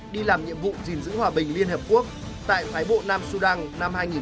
đi làm nhiệm vụ gìn giữ hòa bình liên hợp quốc tại phái bộ nam sudan năm hai nghìn một mươi